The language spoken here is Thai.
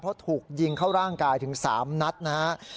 เพราะถูกยิงเข้าร่างกายถึง๓นัดนะครับ